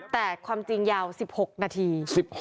แต่ความจริงยาว๑๖นาที